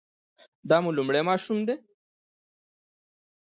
دا مو لومړی ماشوم دی؟